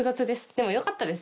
でもよかったです